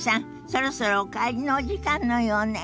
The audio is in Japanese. そろそろお帰りのお時間のようね。